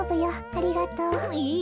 ありがとう。えっ？